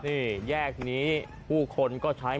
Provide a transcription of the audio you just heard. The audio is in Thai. สวัสดีครับ